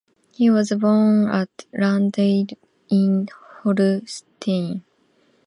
He was born at Rantzau in Holstein.